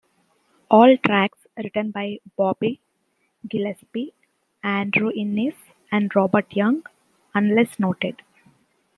All tracks written by Bobby Gillespie, Andrew Innes and Robert Young, unless noted.